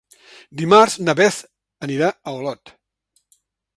Dimarts na Beth anirà a Olot.